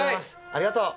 ありがとう！